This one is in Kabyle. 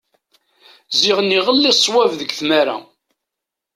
Ziɣen iɣelli swab deg tmara.